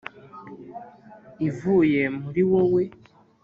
'ivuye muri wowe